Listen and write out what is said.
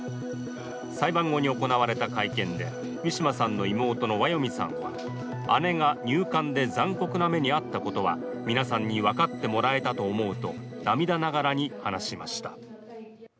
裁判後に行われた会見でウィシュマさんの妹のワヨミさんは姉が入管で残酷な目に遭ったことは皆さんに分かってもらえたと思うと涙ながらに話しました。